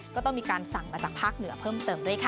ก็ต้องมีการสั่งมาจากภาคเหนือเพิ่มเติมด้วยค่ะ